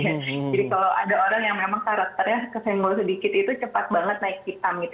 jadi kalau ada orang yang memang karakternya kesenggol sedikit itu cepat banget naik hitam gitu